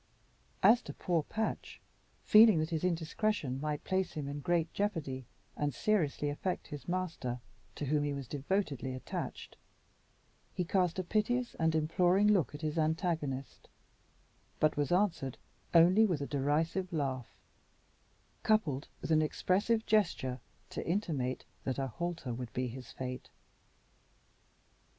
As to poor Patch, feeling that his indiscretion might place him in great jeopardy and seriously affect his master, to whom he was devotedly attached, he cast a piteous and imploring look at his antagonist, but was answered only by a derisive laugh, coupled with an expressive gesture to intimate that a halter would be his fate.